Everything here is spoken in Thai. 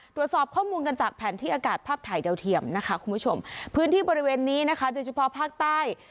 ตรวจสอบข้อมูลกันจากแผนที่อากาศภาพถ่ายดาวเทียมนะคะคุณผู้ชมพื้นที่บริเวณนี้นะคะโดยเฉพาะภาคใต้